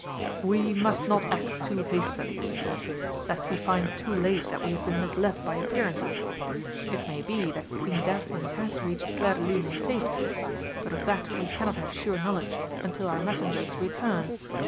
"We must not act too hastily," he said, "lest we find too late that we have been misled by appearances. It may be that Queen Daphne has reached Clairdelune in safety, but of that we cannot have sure knowledge until our messengers return.